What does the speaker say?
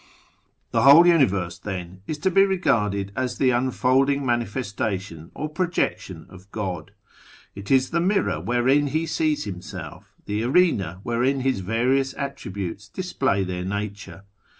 The whole Universe, then, is to be regarded as the unfold ing, manifestation, or projection of God. It is the mirror wherein He sees Himself ; the arena wherein His various Attributes display their nature.